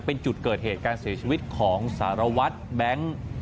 เป็นจุดเกิดเหตุการเสียชีวิตของสารวัตรแบงค์